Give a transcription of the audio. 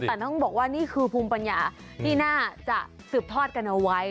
แต่ต้องบอกว่านี่คือภูมิปัญญาที่น่าจะสืบทอดกันเอาไว้